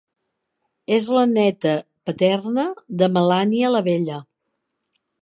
És la neta paterna de Melania la Vella.